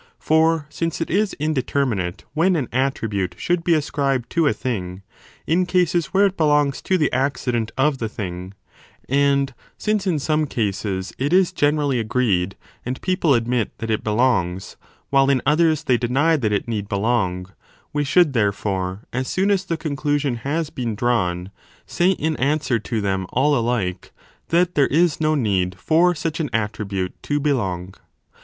For since it is indeterminate when an attribute should be ascribed to a thing, in cases where it belongs to the accident of the thing, and since in some cases it is generally agreed and people admit that it belongs, while in others they deny that it need belong, we should therefore, as soon as the conclusion has 30 been drawn, 1 say in answer to them all alike, that there is no need for such an attribute to belong.